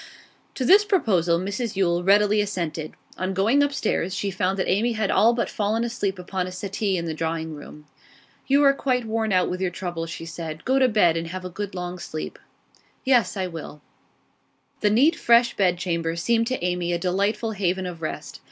To this proposal Mrs Yule readily assented. On going upstairs she found that Amy had all but fallen asleep upon a settee in the drawing room. 'You are quite worn out with your troubles,' she said. 'Go to bed, and have a good long sleep.' 'Yes, I will.' The neat, fresh bedchamber seemed to Amy a delightful haven of rest.